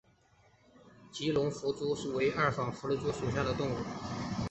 吉隆狒蛛为二纺蛛科狒蛛属的动物。